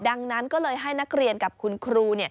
ดังนั้นก็เลยให้นักเรียนกับคุณครู